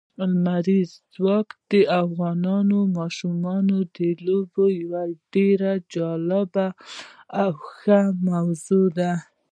لمریز ځواک د افغان ماشومانو د لوبو یوه ډېره جالبه او ښه موضوع ده.